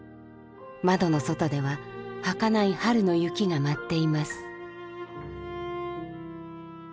窓の外でははかない春の雪が舞っています。